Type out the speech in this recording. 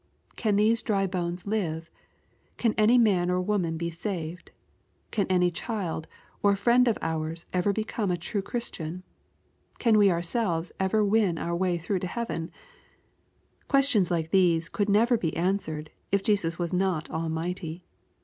—" Can these dry bones live ? Can any man or woman be saved ? Can any child, or friend of ours ever become a true Christian ? Can we ourselves ever win our way through to heaven ?"— Questions like these could never be answered, if Jesus was not Almighty.